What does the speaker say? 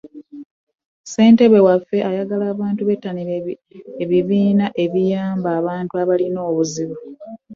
ssentebe waffe ayagala abantu betanire ebibiina ebiyamba abantu abalina obuzibu.